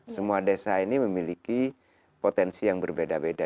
semua desa ini memiliki potensi yang berbeda beda